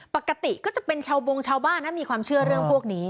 ปกติก็จะเป็นชาวบงชาวบ้านนะมีความเชื่อเรื่องพวกนี้